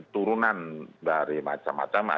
turunan dari macam macam